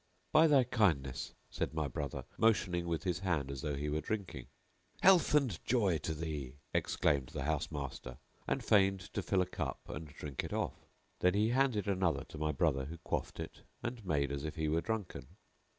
"By thy kindness," said my brother, motioning with his hand as though he were drinking. "Health and joy to thee," exclaimed the house master and feigned to fill a cup and drink it off; then he handed another to my brother who quaffed it and made as if he were drunken.